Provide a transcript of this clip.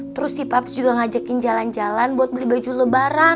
terus si papa juga ngajakin jalan jalan buat beli baju lebaran